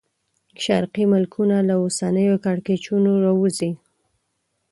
شرقي ملکونه له اوسنیو کړکېچونو راووځي.